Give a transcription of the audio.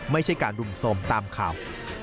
ไม่ใช่การรุมโทรมตามข่าว